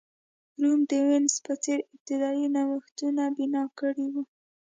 روم د وینز په څېر ابتدايي نوښتونه بنا کړي وو.